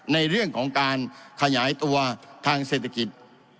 ในเรื่องของการขยายตัวทางเศรษฐกิจ